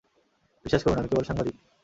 বিশ্বাস করুন, আমি কেবল সাংবাদিক।